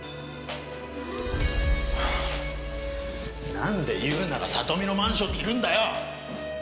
はあなんで優菜が里美のマンションにいるんだよ！